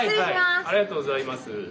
ありがとうございます。